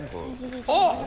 あっ！